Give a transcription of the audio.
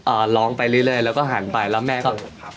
ร้องไปเรื่อยเรื่อยแล้วก็หันไปแล้วแม่ก็